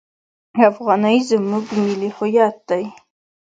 افغانۍ زموږ ملي هویت دی.